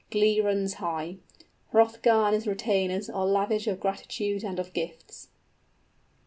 Glee runs high. Hrothgar and his retainers are lavish of gratitude and of gifts.